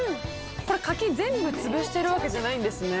これ柿全部つぶしてるわけじゃないんですね。